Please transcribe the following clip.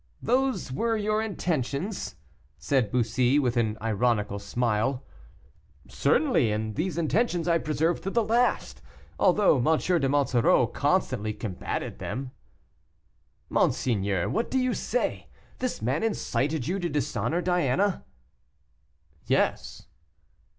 "Those were your intentions?" said Bussy, with an ironical smile. "Certainly, and these intentions I preserved to the last, although M. de Monsoreau constantly combated them." "Monseigneur, what do you say! This man incited you to dishonor Diana?" "Yes."